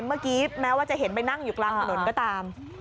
เมื่อกี้แม้ว่าจะเห็นไปนั่งอยู่กลางถนนก็ตาม